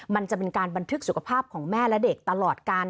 มันจะเป็นการบันทึกสุขภาพของแม่และเด็กตลอดกัน